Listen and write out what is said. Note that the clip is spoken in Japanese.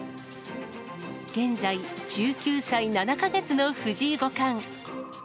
現在１９歳７か月の藤井五冠。